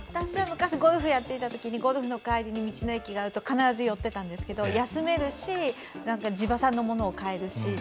昔、ゴルフをやっていたときに、ゴルフの帰りに道の駅があると、必ず寄ってたんですけど、休めるし地場産のものを買えるし。